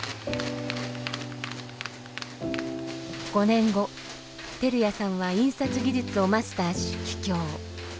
５年後照屋さんは印刷技術をマスターし帰郷。